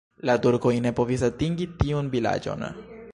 La turkoj ne povis atingi tiun vilaĝon.